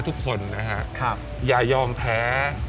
ทุกคนนะฮะอย่ายอมแพ้